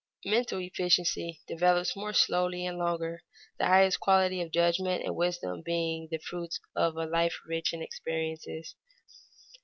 Mental efficiency develops more slowly and longer, the highest qualities of judgment and wisdom being the fruits only of a life rich in experiences.